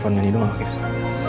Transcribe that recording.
teleponnya nido mau ke kursa